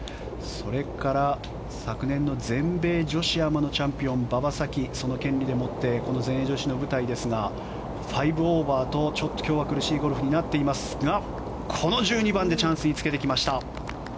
それから、昨年の全米女子アマのチャンピオン馬場咲希、その権利でもってこの全英女子の舞台ですが５オーバーと今日は苦しいゴルフになっていますがこの１２番でチャンスにつけてきました。